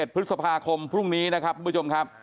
๑พฤษภาคมพรุ่งนี้นะครับทุกผู้ชมครับ